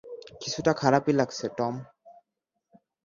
কিছুটা খারাপই লাগছে, টম।